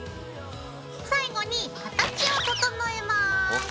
最後に形を整えます。